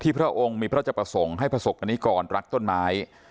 พระองค์มีพระราชประสงค์ให้ประสบกรณิกรรักต้นไม้